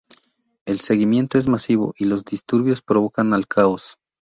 El seguimiento es masivo, y los disturbios provocan el caos.